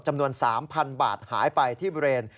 จำนวน๓๐๐๐บาทหายไปที่บริเวณ